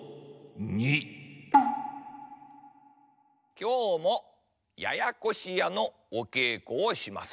きょうも「ややこしや」のおけいこをします。